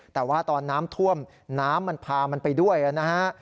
แต่ว่าตอนน้ำท่วมน้ำมันพามันไปด้วยนะฮะ